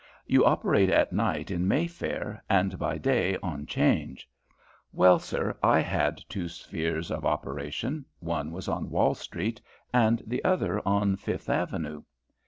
You operate at night in Mayfair, and by day 'On 'Change.' Well, sir, I had two spheres of operation, one was on Wall Street, and the other on Fifth Avenue.